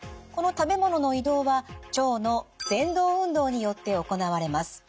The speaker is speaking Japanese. この食べ物の移動は腸のぜんどう運動によって行われます。